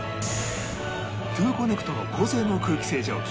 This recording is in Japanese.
トゥーコネクトの高性能空気清浄機